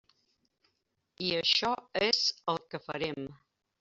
I això és el que farem.